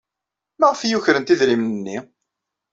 Maɣef ay ukrent idrimen-nni?